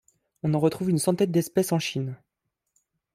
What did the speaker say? On en retrouve une centaine d'espèces en Chine.